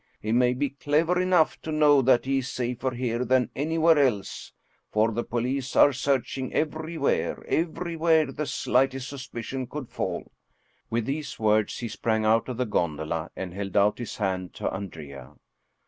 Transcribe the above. He may be clever enough to know that he is safer here than any where else, for the police are searching everywhere everywhere the slightest suspicion could fall." With these words, he sprang out of the gondola and held out his hand to Andrea.